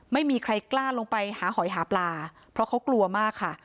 ไม่มีใครกล้าลงไปหาหอยหาปลาเพราะเขากลัวมากค่ะ